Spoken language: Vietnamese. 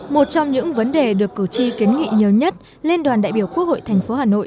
một trong những vấn đề được cử tri kiến nghị nhiều nhất lên đoàn đại biểu quốc hội thành phố hà nội